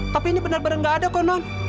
tapi ini bener bener nggak ada kok non